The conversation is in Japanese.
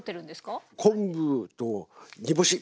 あ昆布と煮干し。